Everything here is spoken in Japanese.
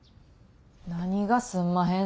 何がすんまへん